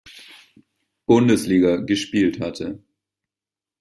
Bundesliga gespielt hatte.